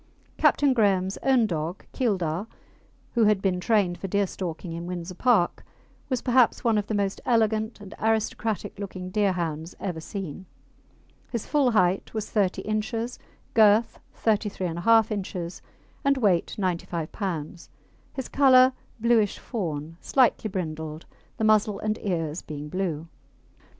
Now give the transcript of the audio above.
Captain Graham's own dog Keildar, who had been trained for deerstalking in Windsor Park, was perhaps one of the most elegant and aristocratic looking Deerhounds ever seen. His full height was 30 inches, girth 33 1/2 inches, and weight, 95 lbs., his colour bluish fawn, slightly brindled, the muzzle and ears being blue.